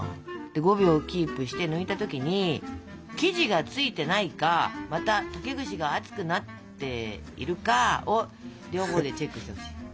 で５秒キープして抜いた時に生地がついてないかまた竹串が熱くなっているかを両方でチェックしてほしい。